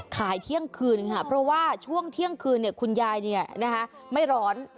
เที่ยงคืนค่ะเพราะว่าช่วงเที่ยงคืนคุณยายไม่ร้อน